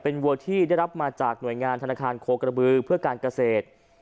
วัวที่ได้รับมาจากหน่วยงานธนาคารโคกระบือเพื่อการเกษตร